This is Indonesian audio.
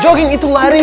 jogging itu lari